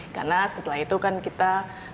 karena setelah itu kan kita